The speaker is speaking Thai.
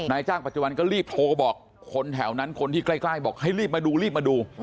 จ้างปัจจุบันก็รีบโทรบอกคนแถวนั้นคนที่ใกล้บอกให้รีบมาดูรีบมาดู